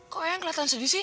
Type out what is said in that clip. kok eang kelihatan sedih sih